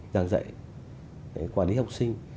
để quản lý học sinh